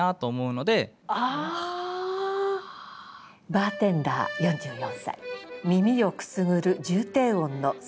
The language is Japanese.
「バーテンダー４４歳耳をくすぐる重低音のスイートソース」。